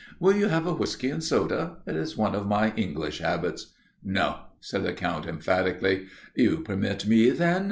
Will you have a whisky and soda? It is one of my English habits." "No," said the Count emphatically. "You permit me then?"